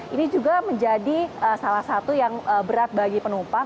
ini juga menjadi salah satu yang berat bagi penumpang